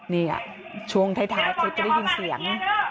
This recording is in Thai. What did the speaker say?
นี่ช่วงท้ายคือจะได้ยินเสียง